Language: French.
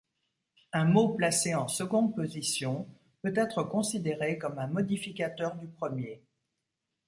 Un mot placé en seconde position peut être considéré comme un modificateur du premier.